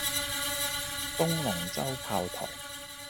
東龍洲炮台